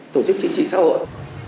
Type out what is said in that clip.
tổ chức chính trị xã hội